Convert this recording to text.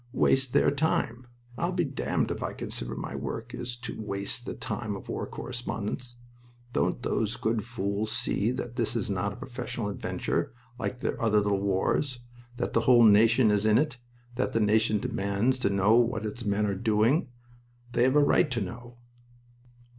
'Waste their time!'... I'll be damned if I consider my work is to waste the time of war correspondents. Don't those good fools see that this is not a professional adventure, like their other little wars; that the whole nation is in it, and that the nation demands to know what its men are doing? They have a right to know."